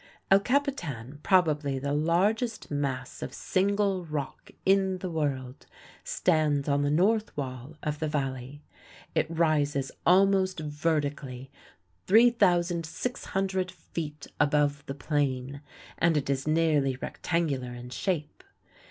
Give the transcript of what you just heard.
El Capitan, probably the largest mass of single rock in the world, stands on the north wall of the valley. It rises almost vertically 3,600 feet above the plain, and it is nearly rectangular in shape.